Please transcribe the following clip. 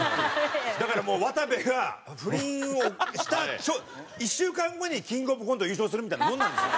だからもう渡部が不倫をした１週間後にキングオブコントで優勝するみたいなもんなんですよ。